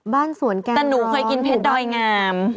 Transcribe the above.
บ้านสวนแกงร้อนหมู่บ้านแต่หนูเคยกินเพชรดอยงาม